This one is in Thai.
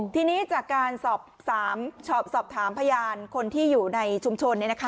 ทีนี้จากการสอบสามสอบถามพยานคนที่อยู่ในชุมชนเนี่ยนะคะ